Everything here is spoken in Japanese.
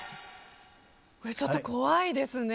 ちょっと怖いですね。